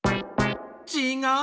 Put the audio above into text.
ちがう！